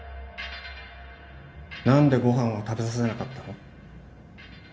何でご飯を食べさせなかった？